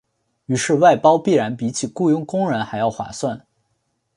于是外包必然比起雇用工人还要划算。